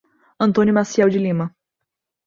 Antônio Maciel de Lima